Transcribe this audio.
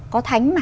có thánh mà